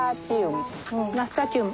ナスタチウム。